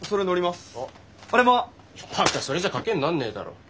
バカそれじゃ賭けになんねえだろ。